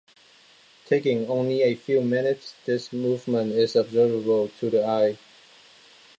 Taking only a few minutes, this movement is observable to the eye.